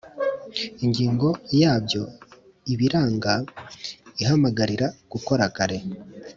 Ingingo yabyo Ibiranga ihamagarira gukora kare